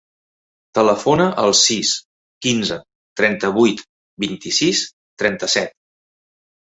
Telefona al sis, quinze, trenta-vuit, vint-i-sis, trenta-set.